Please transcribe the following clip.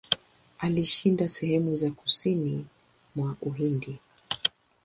Alishinda sehemu za kusini mwa Uhindi.